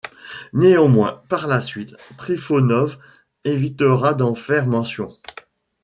Néanmoins, par la suite, Trifonov évitera d'en faire mention.